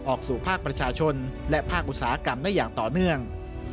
ออกสู่ภาคประชาชนและภาคอุตสาหกรรมได้อย่างต่อเนื่อง